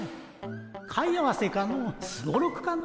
貝合わせかのすごろくかの。